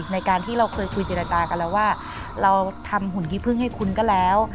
ในการที่เราเคยคุยเจรจากันแล้วว่าเราทำหุ่นขี้พึ่งให้คุณก็แล้ว